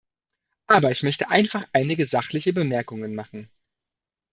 Aber ich möchte einfach einige sachliche Bemerkungen machen.